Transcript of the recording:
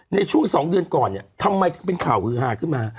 ในช่วงสองเดือนก่อนเนี้ยทำไมเป็นเขาคือหาดขึ้นมา